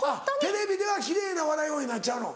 テレビでは奇麗な笑い声になっちゃうの？